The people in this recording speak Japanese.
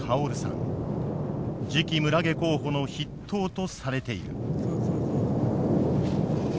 次期村下候補の筆頭とされている。